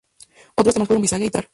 Otros temas fueron "Visage" y "Tar".